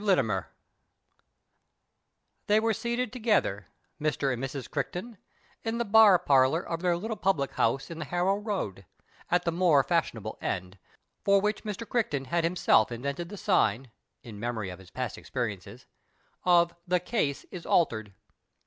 LITTIMER They were seated together, Mr. and Mrs. Crichton in the bar parlour of their httle pubhc house in the Harrow Road, at the more fashionable end, for which Mr. Criehton had himself invented the sign (in memory of his i)ast expcricnecs) of " The Case is Altered."